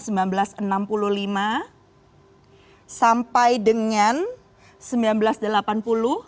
sampai dengan seribu sembilan ratus delapan puluh